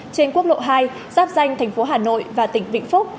trên quốc lộ hai giáp danh thành phố hà nội và tỉnh vĩnh phúc